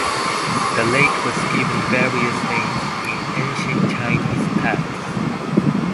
The lake was given various names in ancient Chinese texts.